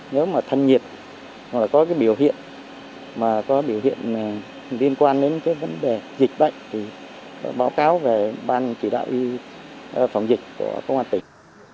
nếu mà thân nhiệt có cái biểu hiện mà có biểu hiện liên quan đến cái vấn đề dịch bệnh thì báo cáo về ban chỉ đạo y phòng dịch của công an tỉnh